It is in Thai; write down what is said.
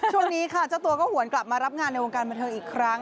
ช่วงนี้ค่ะเจ้าตัวก็หวนกลับมารับงานในวงการบันเทิงอีกครั้ง